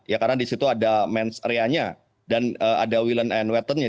ya karena di situ ada mens reanya dan ada will and weaponnya